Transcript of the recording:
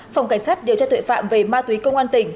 phòng cảnh sát điều tra tội phạm về ma túy công an tỉnh